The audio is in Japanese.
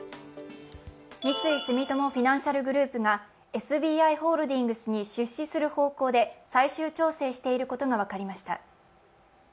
三井住友フィナンシャルグループがＳＢＩホールディングスに出資する方向で最終調整していることが分かりました。